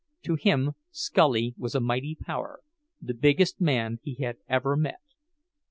To him Scully was a mighty power, the "biggest" man he had ever met.